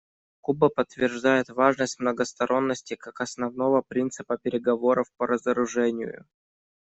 Куба подтверждает важность многосторонности как основного принципа переговоров по разоружению.